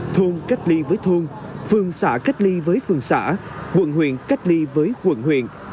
thôn cách ly với thôn phường xã cách ly với phường xã quận huyện cách ly với quận huyện